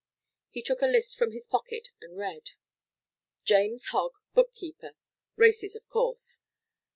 He took a list from his pocket and read: "James Hogg, bookkeeper races, of course.